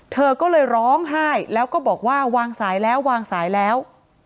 เธอก็เลยร้องไห้แล้วก็บอกว่าวางสายแล้ววางสายแล้ว